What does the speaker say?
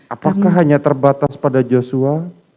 apakah hanya terbatas pada joshua